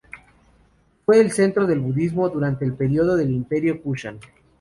Fue el centro del Budismo durante el periodo del Imperio Kushan.